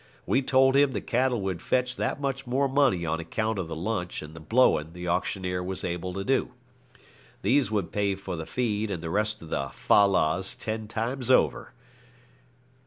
We told him the cattle would fetch that much more money on account of the lunch and the blowing the auctioneer was able to do. These would pay for the feed and the rest of the fal lals ten times over.